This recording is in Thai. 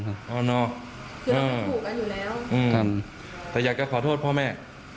คือเราไม่ถูกกันอยู่แล้วอืมครับแต่อยากจะขอโทษพ่อแม่